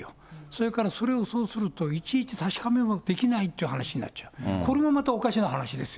それからそれをそうすると、いちいち確かめることができないという話になっちゃう。